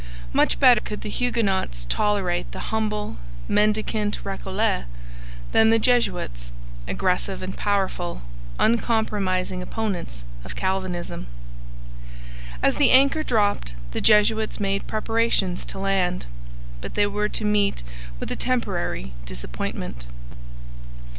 Much better could the Huguenots tolerate the humble, mendicant Recollets than the Jesuits, aggressive and powerful, uncompromising opponents of Calvinism. As the anchor dropped, the Jesuits made preparations to land; but they were to meet with a temporary disappointment.